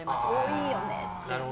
いいよねって。